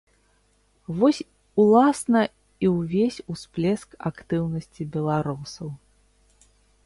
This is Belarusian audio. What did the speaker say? Вось уласна і ўвесь усплеск актыўнасці беларусаў.